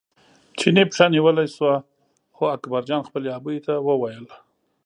چیني پښه نیولی شو خو اکبرجان خپلې ابۍ ته وویل.